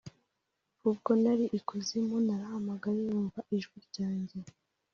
ubwo nari ikuzimu narahamagaye, wumva ijwi ryanjye.